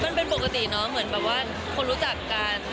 มันเป็นปกติเนาะเหมือนแบบว่าคนรู้จักกัน